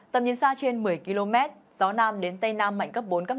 tầm nhìn xa trên một mươi km gió nam đến tây nam mạnh cấp bốn cấp năm